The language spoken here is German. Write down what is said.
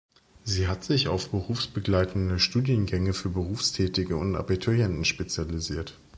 Sie hat sich auf berufsbegleitende Studiengänge für Berufstätige und Abiturienten spezialisiert.